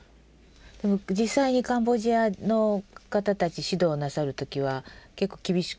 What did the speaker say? でも実際にカンボジアの方たち指導なさる時は結構厳しくしてらした？